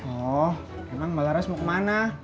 oh emang mbak laras mau kemana